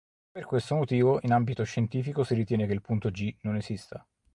Per questo motivo in ambito scientifico si ritiene che il punto G non esista.